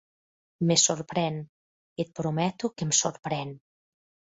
Me sorprèn, et prometo que em sorprèn.